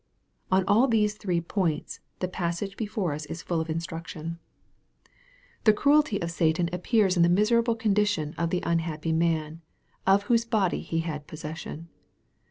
On all these three points, the passage before us is full of instruction. 90 EXPOSITORY THOUGHTS. The cruelty of Satan appears in the miserable condition of the unhappy man, of whose body he had possession.